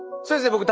そうですね